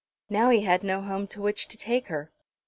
Now he had no home to which to take her.